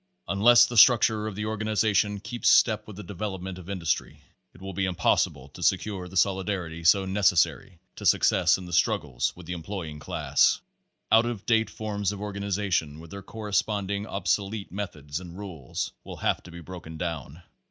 Unless the structure of the or ganization keeps step with the development of industry it will be impossible to secure the solidarity so neces sary to success in the struggles with the employing class. Out of date forms of organization with their corre sponding obsolete methods and rules will have to be broken down.